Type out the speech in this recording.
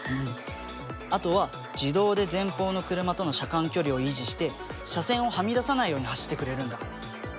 あとは自動で前方の車との車間距離を維持して車線をはみ出さないように走ってくれるんだ。